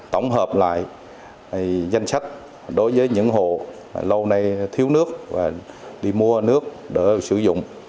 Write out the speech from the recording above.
tổng hợp lại danh sách đối với những hộ lâu nay thiếu nước và đi mua nước để sử dụng